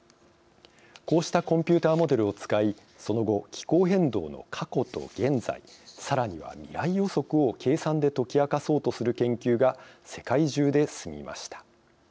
こうしたコンピューターモデルを使いその後、気候変動の過去と現在さらには未来予測を計算で解き明かそうとする研究が世界中で進みました。